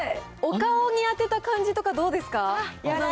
お顔に当てた感じとか、どうですか？